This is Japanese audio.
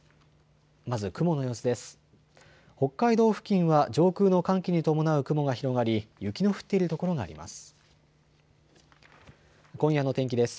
まず雲の様子です。